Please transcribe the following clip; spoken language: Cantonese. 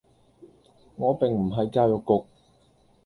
我並唔係教育局